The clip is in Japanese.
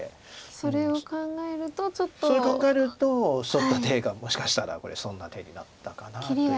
それを考えるとソッた手がもしかしたらこれ損な手になったかなという。